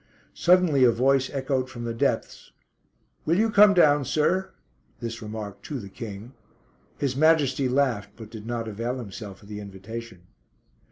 Suddenly a voice echoed from the depths: "Will you come down, sir?" this remark to the King. His Majesty laughed, but did not avail himself of the invitation.